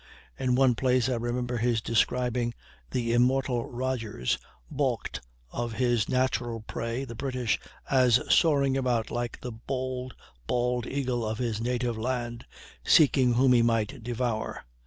In one place I remember his describing "The Immortal Rodgers," baulked of his natural prey, the British, as "soaring about like the bold bald eagle of his native land," seeking whom he might devour.